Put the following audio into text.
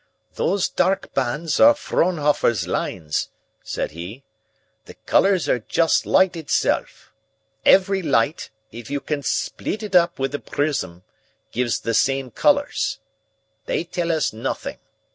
"Those dark bands are Fraunhofer's lines," said he. "The colours are just light itself. Every light, if you can split it up with a prism, gives the same colours. They tell us nothing.